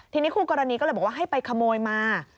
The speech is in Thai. ทีนี้คู่กรณีก็เลยบอกว่าให้ไปขโมยมา